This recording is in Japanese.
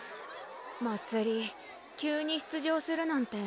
まつり急に出場するなんて。